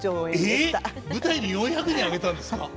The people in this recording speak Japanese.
えっ舞台に４００人上げたんですか？